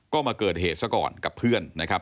ก็มาเกิดเหตุซะก่อนกับเพื่อนนะครับ